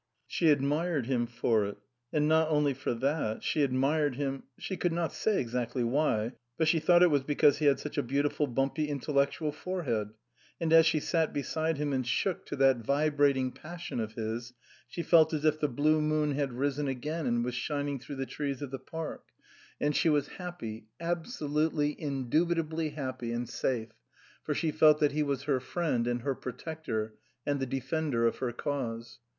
She admired him for it ; and not only for that ; she admired him she could not say exactly why, but she thought it was because he had such a beautiful, bumpy, intellectual fore head. And as she sat beside him and shook to that vibrating passion of his, she felt as if the blue moon had risen again and was shining through the trees of the park ; and she was 271 SUPERSEDED happy, absolutely, indubitably happy and safe ; for she felt that he was her friend and her protector and the defender of her cause.